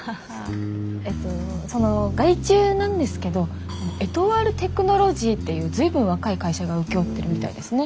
えっとその外注なんですけどエトワール・テクノロジーっていう随分若い会社が請け負ってるみたいですね。